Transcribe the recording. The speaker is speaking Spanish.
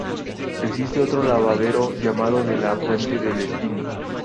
Existe otro lavadero, llamado de la Fuente del Espino.